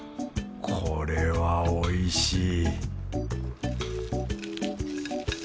これはおいしい